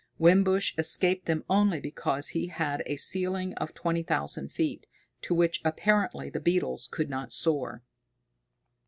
Wimbush escaped them only because he had a ceiling of twenty thousand feet, to which apparently the beetles could not soar.